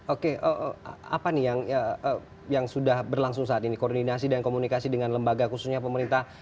oke apa nih yang sudah berlangsung saat ini koordinasi dan komunikasi dengan lembaga khususnya pemerintah